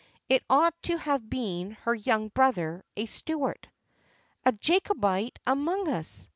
It ought to have been her young brother, a Stuart." " A Jacobite among us